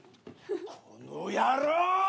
この野郎！